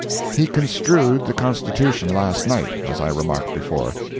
He construed the Constitution, last night, as I remarked before.